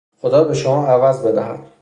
خدا بشما عوض بدهد